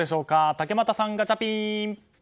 竹俣さん、ガチャピン！